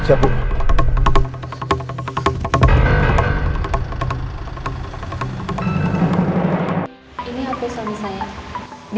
disini ada kontak tulisannya